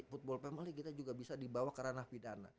football family kita juga bisa dibawa ke ranah pidana